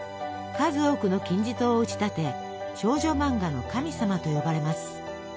数多くの金字塔を打ち立て「少女漫画の神様」と呼ばれます。